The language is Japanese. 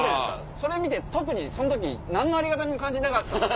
それ見て特に何のありがたみも感じなかったんですよ。